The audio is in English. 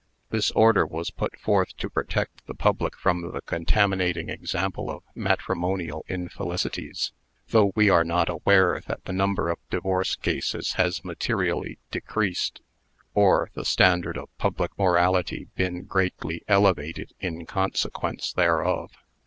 This order was put forth to protect the public from the contaminating example of matrimonial infelicities; though we are not aware that the number of divorce cases has materially decreased, or the standard of public morality been greatly elevated in consequence thereof.